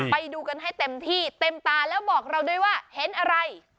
ไปดูกันให้เต็มที่เต็มตาแล้วบอกเราด้วยว่าเห็นอะไร